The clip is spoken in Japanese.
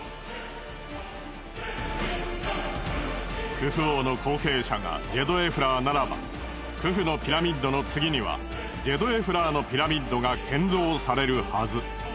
クフ王の後継者がジェドエフラーならばクフのピラミッドの次にはジェドエフラーのピラミッドが建造されるはず。